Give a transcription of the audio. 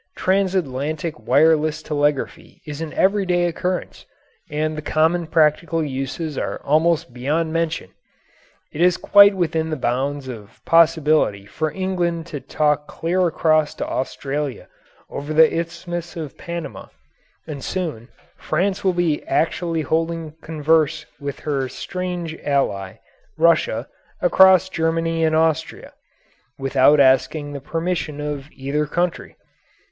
Transatlantic wireless telegraphy is an everyday occurrence, and the common practical uses are almost beyond mention. It is quite within the bounds of possibility for England to talk clear across to Australia over the Isthmus of Panama, and soon France will be actually holding converse with her strange ally, Russia, across Germany and Austria, without asking the permission of either country.